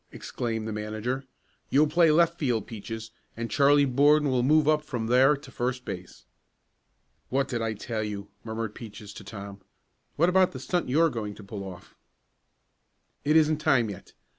exclaimed the manager. "You'll play left field, Peaches, and Charlie Borden will move up from there to first base." "What did I tell you?" murmured Peaches to Tom. "What about the stunt you were going to pull off?" "It isn't time yet.